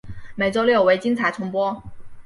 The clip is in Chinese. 每周六为精彩重播。